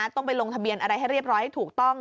ต้องไปลงทะเบียนอะไรให้เรียบร้อยให้ถูกต้อง